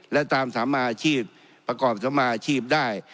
และตามสัมมาอาชีพประกอบสมาอาชีพได้